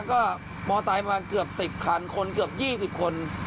ก็มอไซค์ประมาณเกือบ๑๐คันคนเกือบ๒๐คน